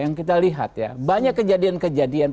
yang kita lihat ya banyak kejadian kejadian